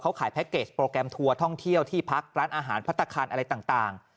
เขาขายแพ็คเกจโปรแกรมทัวร์ท่องเที่ยวที่พักร้านอาหารพัฒนาคารอะไรต่าง